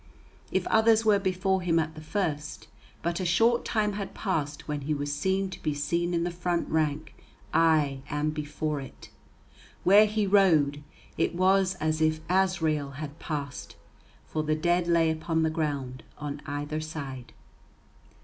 If others were before him at the first, but a short time had passed when he was to be seen in the front rank, aye, and before it. Where he rode, it was as if Azrael had passed, for the dead lay upon the ground on either side.